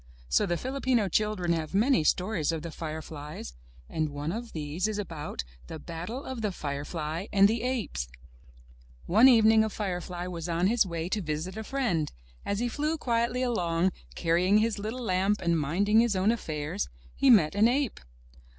So the Filipino children have many stories of the fireflies, and one of these is about The Battle of the Firefly and the Apes. One evening a firefly was on his way to visit a friend. As he flew quietly along, carrying his little lamp and minding his own affairs, he met an ape.